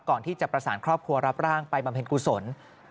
ก่อนที่จะประสานครอบครัวรับร่างไปบำเพ็ญกุศล